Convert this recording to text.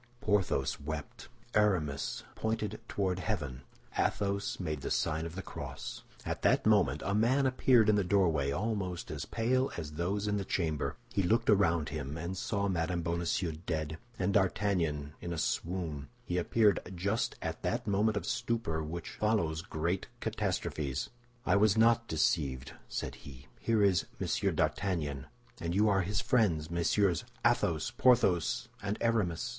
Porthos wept; Aramis pointed toward heaven; Athos made the sign of the cross. At that moment a man appeared in the doorway, almost as pale as those in the chamber. He looked around him and saw Mme. Bonacieux dead, and D'Artagnan in a swoon. He appeared just at that moment of stupor which follows great catastrophes. "I was not deceived," said he; "here is Monsieur d'Artagnan; and you are his friends, Messieurs Athos, Porthos, and Aramis."